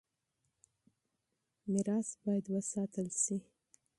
ميراث بايد وساتل شي.